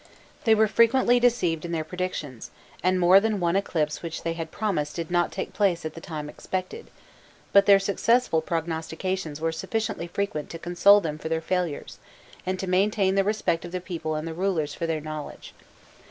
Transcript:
* They were frequently deceived in their predictions, and more than one eclipse which they had promised did not take place at the time expected: but their successful prognostications were sufficiently frequent to console them for their failures, and to maintain the respect of the people and the rulers for their knowledge.